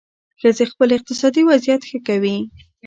ښځې خپل اقتصادي وضعیت ښه کوي.